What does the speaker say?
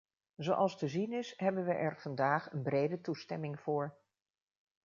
Zoals te zien is, hebben we er vandaag een brede toestemming voor.